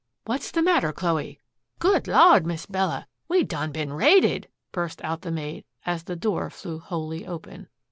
"What's the matter, Chloe?" "Good Lawd, Mis' Bella we done been raided!" burst out the maid as the door flew wholly open.